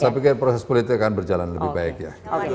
saya pikir proses politik akan berjalan lebih baik ya